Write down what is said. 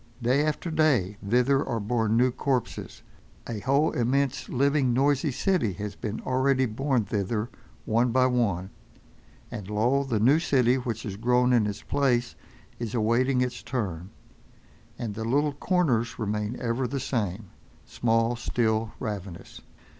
Day after day thither are borne new corpses, a whole, immense, living, noisy city has been already borne thither one by one, and lo! the new city which has grown in its place is awaiting its turn—and the little corners remain ever the same, small, still, ravenous.